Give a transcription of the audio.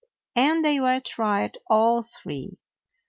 And they were tried, all three.